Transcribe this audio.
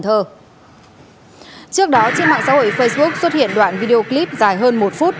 trước đó trên mạng xã hội facebook xuất hiện đoạn video clip dài hơn một phút